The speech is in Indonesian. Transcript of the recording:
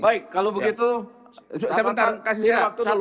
baik kalau begitu saya bentar kasih waktu dulu